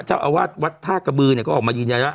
เจ้าอาวาสวัสดิ์วัดท่ากระบือเนี่ยก็ออกมายึนละ